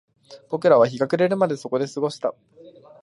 僕らは日が暮れるまでそこで過ごした